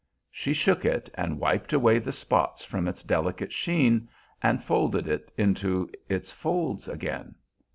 She shook it, and wiped away the spots from its delicate sheen, and folded it into its folds again.